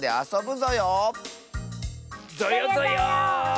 ぞよぞよ。